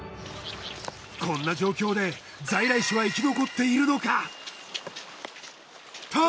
こんな状況で在来種は生き残っているのかと！